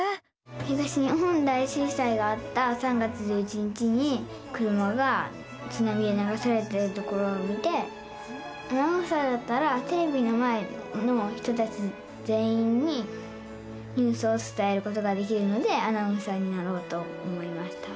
東日本大震災があった３月１１日に車がつなみでながされてるところを見てアナウンサーだったらテレビの前の人たち全員にニュースをつたえることができるのでアナウンサーになろうと思いました。